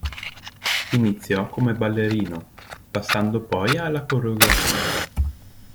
Iniziò come ballerino, passando poi alla coreografia.